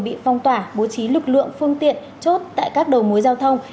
bị phong tỏa bố trí lực lượng phương tiện chốt tại các đầu mối giao thông